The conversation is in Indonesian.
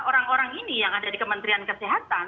orang orang ini yang ada di kementerian kesehatan